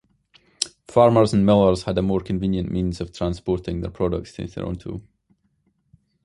Farmers and millers had a more convenient means of transporting their products to Toronto.